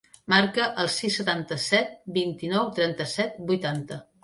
Marca el sis, setanta-set, vint-i-nou, trenta-set, vuitanta.